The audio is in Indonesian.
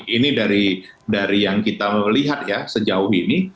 ini dari yang kita lihat ya sejauh ini